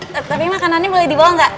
tapi makanannya boleh dibawa nggak